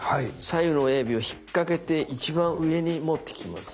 左右の親指を引っ掛けて一番上に持ってきます。